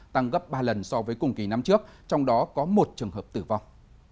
tăng gấp ba lần so với cùng kỳ năm trước trong đó có một trường hợp tử vong